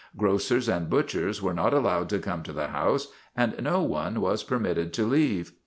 Grocers and butchers were not allowed to come to the house and no one was permitted to leave.